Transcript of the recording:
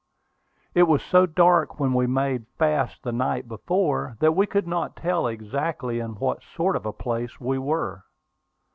It was so dark when we made fast the night before, that we could not tell exactly in what sort of a place we were.